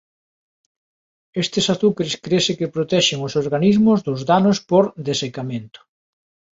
Estes azucres crese que protexen os organismos dos danos por desecamento.